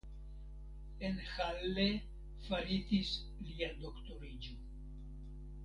En Halle faritis lia doktoriĝo.